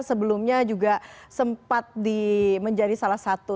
sebelumnya juga sempat menjadi salah satu